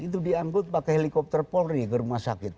itu diangkut pakai helikopter polri ke rumah sakit